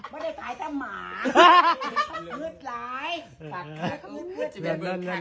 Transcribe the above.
ไม่ได้ตายแต่หมาฮ่าฮ่าฮ่าฮืดร้ายฮืดฮืดฮืดฮืดฮืดฮืด